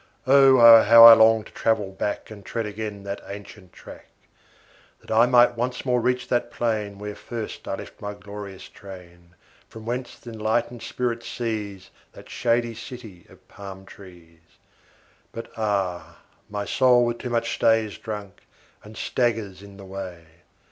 O how I long to travel back And tread again that ancient track! That I might once more reach that plain, Where first I left my glorious train, From whence th'enlightened spirit sees That shady city of palm trees; But ah! my soul with too much stay Is drunk, and staggers in the way.